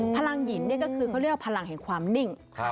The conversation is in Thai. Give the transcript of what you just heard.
พลังหินก็คือเขาเรียกว่าพลังแห่งความนิ่ง